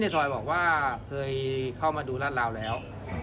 ซอยบอกว่าเคยเข้ามาดูรัดราวแล้ว